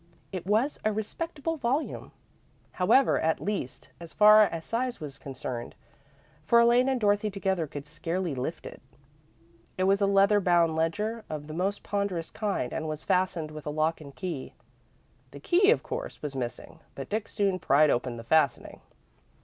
It was a respectable volume, however, at least as far as size was concerned, for Elaine and Dorothy together could scarcely lift it. It was a leather bound ledger, of the most ponderous kind, and was fastened with a lock and key. The key, of course, was missing, but Dick soon pried open the fastening.